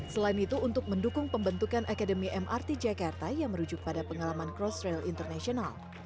selain itu untuk mendukung pembentukan akademi mrt jakarta yang merujuk pada perusahaan